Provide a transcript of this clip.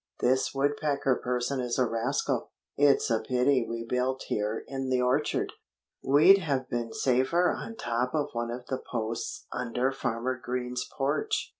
"This Woodpecker person is a rascal. It's a pity we built here in the orchard. We'd have been safer on top of one of the posts under Farmer Green's porch."